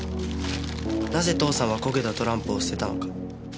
なぜ父さんは焦げたトランプを捨てたのか。